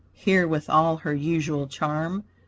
Here with all her usual charm.